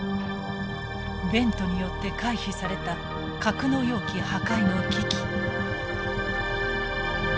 ベントによって回避された格納容器破壊の危機。